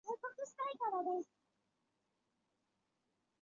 编年史把他当成半神话式的瓦良格王公留里克的儿子。